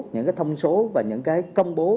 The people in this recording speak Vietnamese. những cái thông số và những cái công bố